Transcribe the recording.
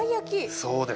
そうです。